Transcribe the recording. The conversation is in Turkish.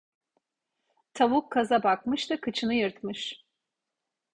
Tavuk kaza bakmış da kıçını yırtmış.